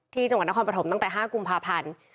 จังหวัดนครปฐมตั้งแต่๕กุมภาพันธ์